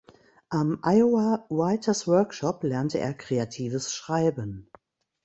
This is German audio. Am Iowa Writers’ Workshop lernte er Kreatives Schreiben.